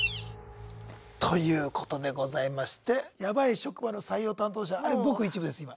ということでございまして「ヤバい職場の採用担当者」あれごく一部です今。